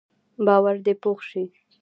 باور دې پوخ شي.